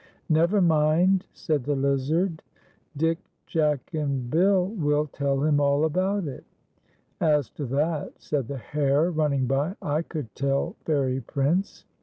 "Never mind," said the Lizard; "Dick, Jack, and Bill will tell him all about it." "As to that," said the Hare, running by, "I could tell Fairy Prince."